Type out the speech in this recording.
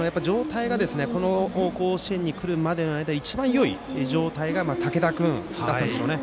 この甲子園に来るまでで一番いい状態なのが竹田君だったんでしょうね。